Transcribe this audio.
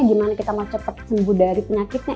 gimana kita mau cepat sembuh dari penyakitnya